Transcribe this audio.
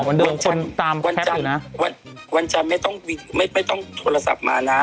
อาวันจันทร์คนตามแพ็บละวันจันทร์ไม่ต้องไม่ไม่ต้องโทรศัพท์มานะ